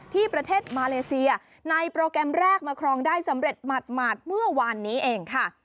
ที่ประเทศมาเลเซียในโปรแกรมแรกมาครองได้สำเร็จหมาดเมื่อวานนี้เองค่ะ